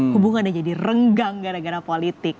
hubungannya jadi renggang gara gara politik